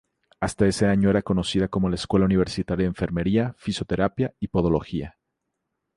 Hasta ese año era conocida como la Escuela Universitaria de Enfermería, Fisioterapia y Podología.